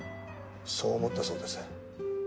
そう思ったそうです。